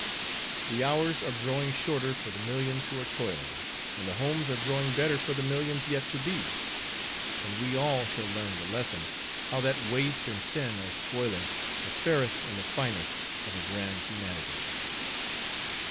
"The hours are growing shorter for the millions who are toiling; And the homes are growing better for the millions yet to be; And we all shall learn the lesson, how that waste and sin are spoiling The fairest and the finest of a grand humanity.